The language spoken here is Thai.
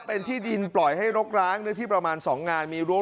เป็นที่ดินปล่อยให้รกร้างเนื้อที่ประมาณ๒งานมีรั้ว